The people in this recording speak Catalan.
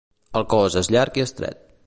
El cos és llarg i estret.